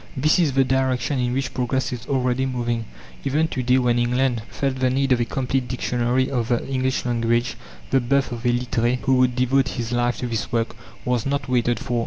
This is the direction in which progress is already moving. Even to day, when England felt the need of a complete dictionary of the English language, the birth of a Littré, who would devote his life to this work, was not waited for.